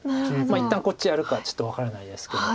一旦こっちやるかはちょっと分からないですけど。